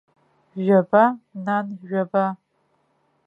Жәаба, нан, жәаба!